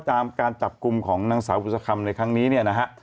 การจับกลุ่มของนางสาวกุศกรรมในครั้งนี้เนี่ยนะฮะ